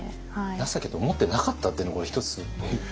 情けと思ってなかったっていうのこれ１つポイント。